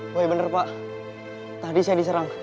wah bener pak tadi saya diserang